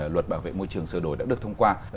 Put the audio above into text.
luật bảo vệ môi trường sửa đổi đã được thông qua